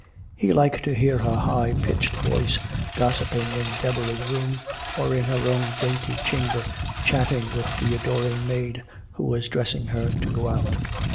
He liked to hear her high pitched voice, gossiping in Deborah's room or in her own dainty chamber chatting with the adoring maid who was dressing her to go out.